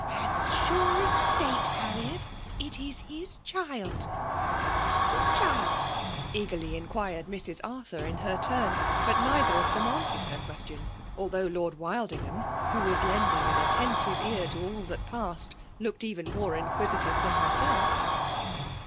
As sure as fate^ Harriet, it is his child r* ''Whose child?" eagerly inquired Mrs. Arthur in her turn. But neither of them an swered her question; although Lord Wild ingham, who was lending an attent\Te ear to all that passed, looked even more inquisitive than herself.